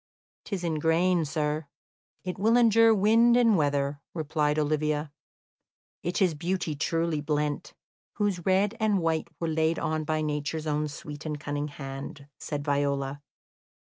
"'Tis in grain, sir; it will endure wind and weather," replied Olivia. "It is beauty truly blent, whose red and white were laid on by Nature's own sweet and cunning hand," said Viola.